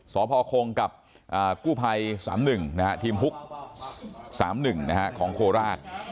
สพคงกับกู้ภัย๓๑นะฮะทีมฮุก๓๑นะฮะของโคราช